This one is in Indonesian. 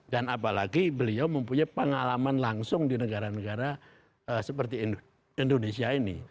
dan apalagi beliau mempunyai pengalaman langsung di negara negara seperti indonesia ini